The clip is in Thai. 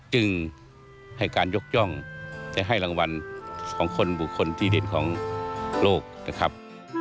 จึงให้การยกย่องและให้รางวัลของคนบุคคลที่ดินของโลกนะครับ